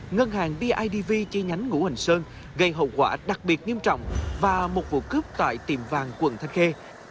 ngân hàng bidv chi nhánh ngũ hành sơn gây hậu quả đặc biệt nghiêm trọng và một vụ cướp tại tiềm vàng quận thanh khê